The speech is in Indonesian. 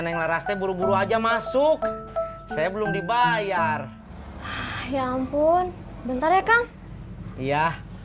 neng laraste buru buru aja masuk saya belum dibayar ya ampun bentar ya kang ya